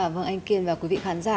vâng anh kiên và quý vị khán giả